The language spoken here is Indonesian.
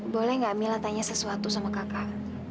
boleh gak mila tanya sesuatu sama kakak